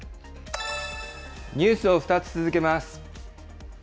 ニュースを２つ続けます。